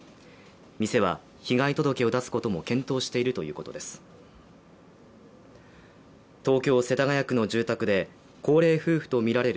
店は被害届を出すことも検討しているということです。